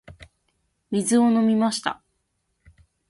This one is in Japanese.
水を飲みました。